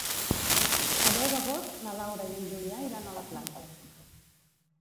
El deu d'agost na Laura i en Julià iran a la platja.